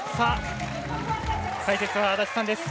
解説は安達さんです。